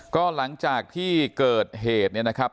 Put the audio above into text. ก็หลังจากที่เกิดเหตุเนี่ยนะครับ